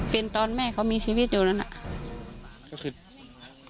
เป็นตอนแม่เขามีชีวิตอยู่นั่นน่ะ